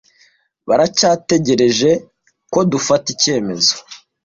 Baracyategereje ko dufata icyemezo.